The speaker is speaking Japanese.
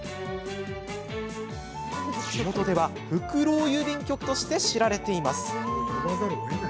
地元では、ふくろう郵便局として知られています。